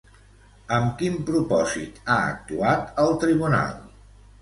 Amb quin propòsit ha actuat el tribunal?